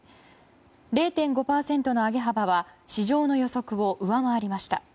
０．５％の上げ幅は市場の予測を上回りました。